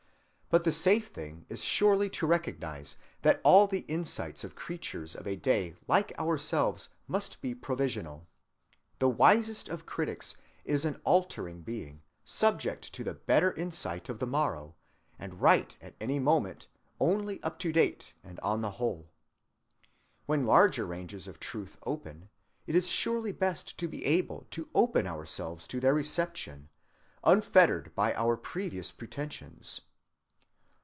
But the safe thing is surely to recognize that all the insights of creatures of a day like ourselves must be provisional. The wisest of critics is an altering being, subject to the better insight of the morrow, and right at any moment, only "up to date" and "on the whole." When larger ranges of truth open, it is surely best to be able to open ourselves to their reception, unfettered by our previous pretensions.